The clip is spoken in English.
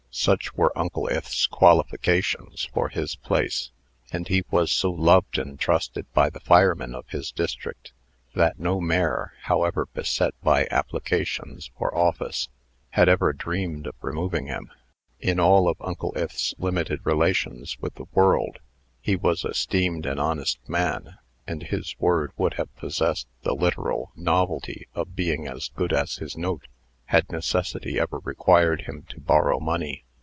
Such were Uncle Ith's qualifications for his place; and he was so loved and trusted by the firemen of his district, that no mayor, however beset by applicants for office, had ever dreamed of removing him. In all of Uncle Ith's limited relations with the world, he was esteemed an honest man; and his word would have possessed the literal novelty of being as good as his note, had necessity ever required him to borrow money.